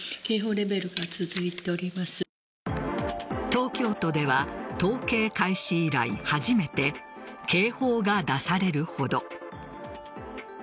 東京都では統計開始以来初めて警報が出されるほど。